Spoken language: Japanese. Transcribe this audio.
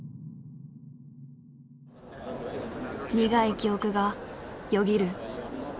苦い記憶がよぎる。